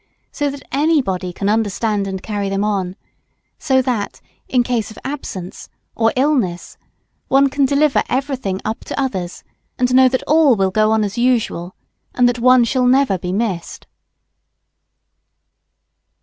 so that any body can understand and carry them on so that, in case of absence or illness, one can deliver every thing up to others and know that all will go on as usual, and that one shall never be missed.